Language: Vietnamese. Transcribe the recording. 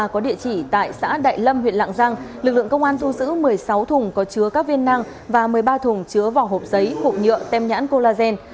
có địa chỉ tại xã đại lâm huyện lạng giang lực lượng công an thu giữ một mươi sáu thùng có chứa các viên năng và một mươi ba thùng chứa vỏ hộp giấy hộp nhựa tem nhãn collagen